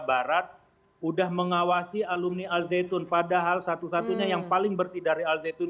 barat udah mengawasi alumni alzaitun padahal satu satunya yang paling bersih dari alzaitun